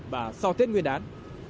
và sau tiết nguyên đán